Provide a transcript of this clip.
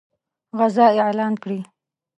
غزا اعلان کړي.